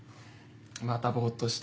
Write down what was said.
またぼっとして。